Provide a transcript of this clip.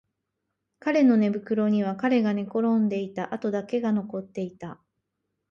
彼の寝袋には彼が寝転んでいた跡だけが残っていた